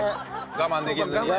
我慢できずにね。